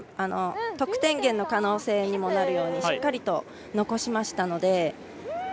得点源の可能性にもなるようにしっかりと残しましたので。